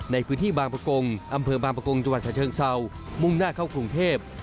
ในพื้นที่บางประกงอำเภอบางประกงจังหวัดฉะเชิงเศร้ามุ่งหน้าเข้ากรุงเทพ